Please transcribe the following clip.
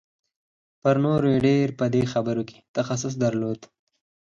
تر نورو یې په دې برخه کې ډېر تخصص درلود